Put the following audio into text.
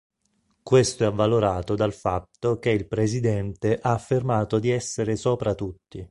Questo è avvalorato dal fatto che il presidente ha affermato di essere sopra tutti.